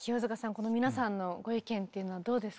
この皆さんのご意見っていうのはどうですか？